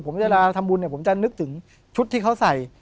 ผมเวลาเราทำบุญเนี่ยผมจะนึกถึงชุดที่เขาใส่